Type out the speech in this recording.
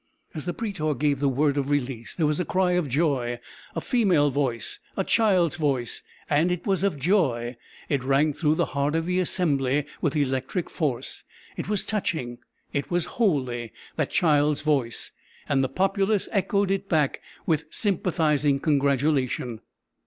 As the prætor gave the word of release, there was a cry of joy: a female voice, a child's voice; and it was of joy! It rang through the heart of the assembly with electric force; it was touching, it was holy, that child's voice. And the populace echoed it back with sympathizing congratulation.